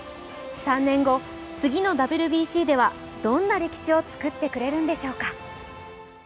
３年後、次のＷＢＣでは、どんな歴史を作ってくれるのでしょうか。